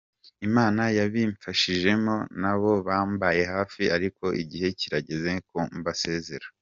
Imana yabimfashijemo nabo bambaye hafi ariko igihe kirageze ko mbasezera”.